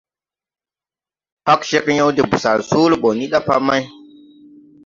Hag cegyěw de busal Soole ɓɔ ni ɗa pa may.